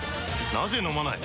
なぜ飲まない？